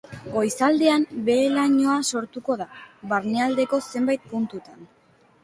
Goizaldean behe-lainoa sortuko da barnealdeko zenbait puntutan.